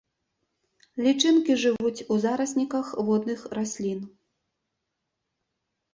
Лічынкі жывуць у зарасніках водных раслін.